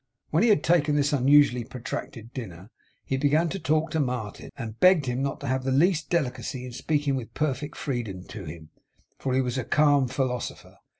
When he had taken this unusually protracted dinner, he began to talk to Martin; and begged him not to have the least delicacy in speaking with perfect freedom to him, for he was a calm philosopher.